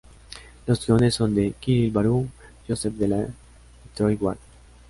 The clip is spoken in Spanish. Los guiones son de Kirill Baru, Joseph DeLage y Troy Wagner.